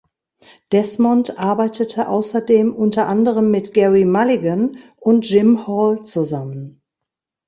Desmond arbeitete außerdem unter anderem mit Gerry Mulligan und Jim Hall zusammen.